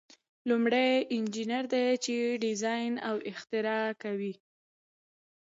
لومړی انجینر دی چې ډیزاین او اختراع کوي.